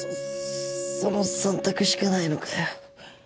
その３択しかないのかよ。